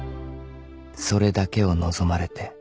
［それだけを望まれて］